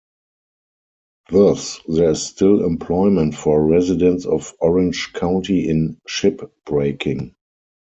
Thus, there is still employment for residents of Orange County in shipbreaking.